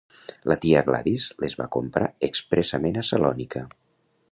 La tia Gladys les va comprar expressament a Salònica.